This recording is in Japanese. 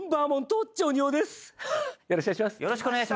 よろしくお願いします。